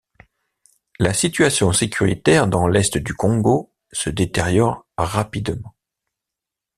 La situation sécuritaire dans l'est du Congo se détériore rapidement.